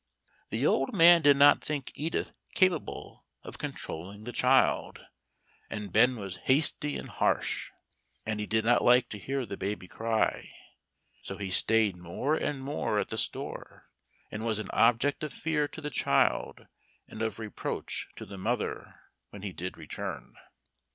The old man did not think Edith capable of controlling the child, and Ben was hasty and harsh, and he did not like to hear the baby cry. So he stayed more and more at the store, and was an object of fear to the child and of reproach to the mother when he did return.